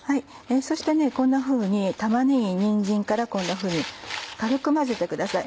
そしてこんなふうに玉ねぎにんじんから軽く混ぜてください